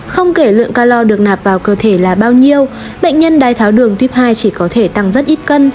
không kể lượng calor được nạp vào cơ thể là bao nhiêu bệnh nhân đai tháo đường tuyếp hai chỉ có thể tăng rất ít cân